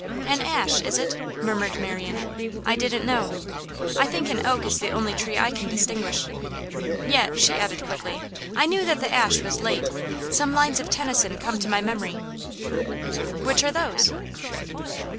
'An ash, is it?' murmured Marian. 'I didn't know. I think an oak is the only tree I can distinguish. Yet,' she added quickly, 'I knew that the ash was late; some lines of Tennyson come to my memory.' 'Which are those?